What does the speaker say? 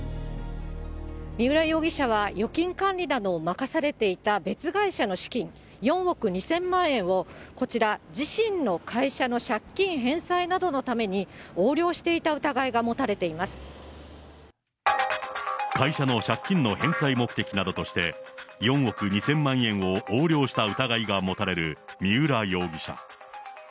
三浦容疑者は、預金管理などを任されていた別会社の資金、４億２０００万円を、こちら、自身の会社の借金返済などのために横領していた疑いが持たれてい会社の借金の返済目的などとして、４億２０００万円を横領した疑いが持たれる三浦容疑者。